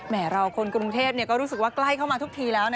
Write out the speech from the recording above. เราคนกรุงเทพก็รู้สึกว่าใกล้เข้ามาทุกทีแล้ว